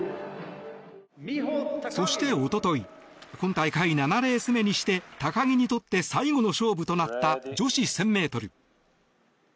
そして一昨日今大会７レース目にして高木にとって最後の勝負となった女子１０００ｍ。